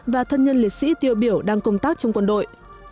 và thân nhân liệt sĩ tiêu biểu đang công tác trong quân đội